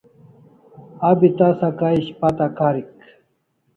Abi tasa kay ishpata karik